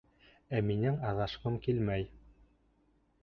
Ә минең аҙашҡым килмәй.